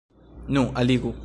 Nu, alligu!